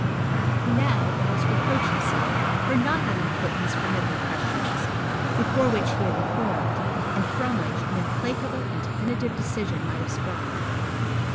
He now almost reproached himself for not having put those formidable questions, before which he had recoiled, and from which an implacable and definitive decision might have sprung.